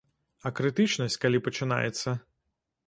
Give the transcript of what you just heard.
А крытычнасць калі пачынаецца?